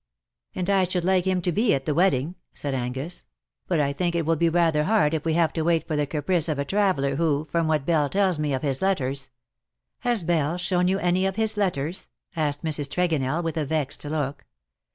" And I should like him to be at the wedding/' said Angus; ^' but I think it will be rather hard if we have to wait for the caprice of a traveller who, from what Belle tells me of his letters '''^ Has Belle^ shown you any of his letters?" asked Mrs. Tregonell, with a vexed look.